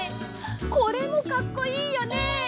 これもかっこいいよね！